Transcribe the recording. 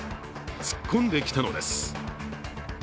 突っ込んできたのです。